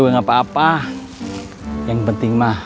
dekup suara dia tapi hidup dia films